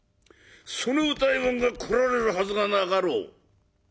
その歌右衛門が来られるはずがなかろう。